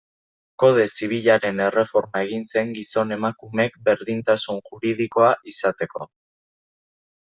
Kode Zibilaren erreforma egin zen gizon-emakumeek berdintasun juridikoa izateko.